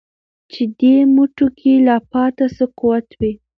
چي دي مټو كي لا پاته څه قوت وي